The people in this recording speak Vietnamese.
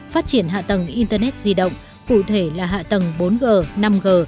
phát triển hạ tầng internet di động cụ thể là hạ tầng bốn g năm g